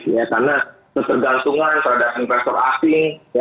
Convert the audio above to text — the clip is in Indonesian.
karena ketergantungan terhadap investor asing